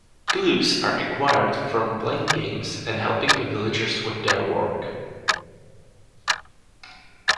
Clues are acquired from playing games and helping the villagers with their work.